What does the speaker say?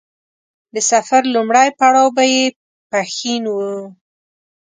د سفر لومړی پړاو به يې پښين و.